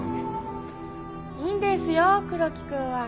いいんですよ黒木君は。